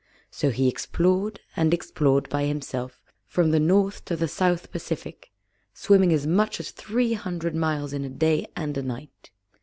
So he explored and explored by himself from the North to the South Pacific, swimming as much as three hundred miles in a day and a night.